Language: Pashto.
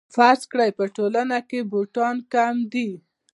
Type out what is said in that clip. فرض کړئ په ټولنه کې بوټان کم دي